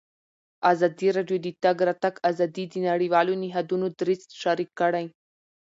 ازادي راډیو د د تګ راتګ ازادي د نړیوالو نهادونو دریځ شریک کړی.